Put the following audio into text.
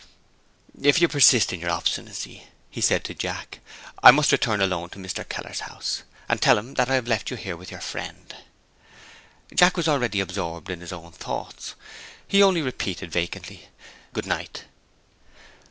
"If you persist in your obstinacy," he said to Jack, "I must return alone to Mr. Keller's house, and tell him that I have left you here with your friend." Jack was already absorbed in his own thoughts. He only repeated vacantly, "Good night."